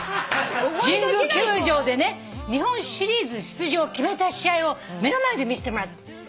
神宮球場で日本シリーズ出場決めた試合を目の前で見してもらってびっくりした。